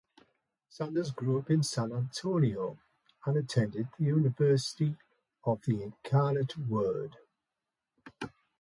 Sanders grew up in San Antonio and attended the University of the Incarnate Word.